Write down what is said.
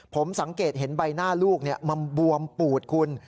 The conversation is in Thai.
ผมสังเกตเห็นใบหน้าลูกมันบวมปูดคุณ